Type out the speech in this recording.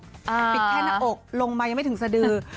ปิดแค่หน้าอกลงมายังไม่ถึงสดือ